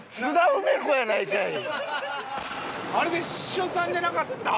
あれ別所さんじゃなかった？